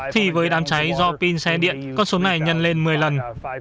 thì với đám cháy do pin xe điện con số này nhân lên một mươi lần